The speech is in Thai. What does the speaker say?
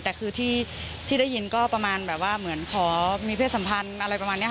แต่คือที่ได้ยินก็ประมาณแบบว่าเหมือนขอมีเพศสัมพันธ์อะไรประมาณนี้